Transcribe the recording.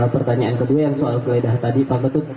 pertanyaan kedua yang soal geledah tadi pak ketut